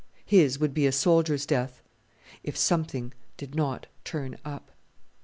His would be a soldier's death, if "something did not turn up."